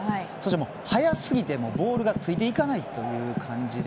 早すぎて、ボールがついていかないという感じで。